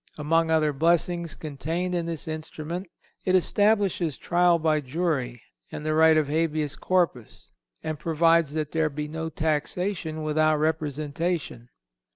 Among other blessings contained in this instrument it establishes trial by jury and the right of Habeas Corpus, and provides that there shall be no taxation without representation.